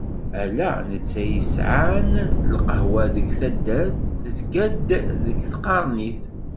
Ala netta i yesɛan lqahwa deg taddart, tezga-d deg tqernit.